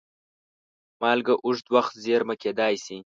مالګه اوږد وخت زېرمه کېدای شي.